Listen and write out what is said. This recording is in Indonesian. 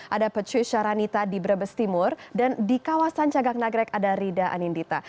ada pecus syaranita di brebes timur dan di kawasan cagak nagrek ada rida anindita